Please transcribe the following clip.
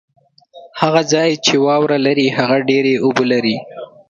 هغه ځای چې واوره لري ، هغه ډېري اوبه لري